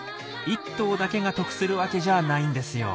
１頭だけが得するわけじゃないんですよ。